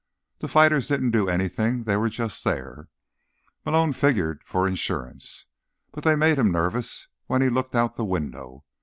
The fighters didn't do anything; they were just there, Malone figured, for insurance. But they made him nervous when he looked out the window.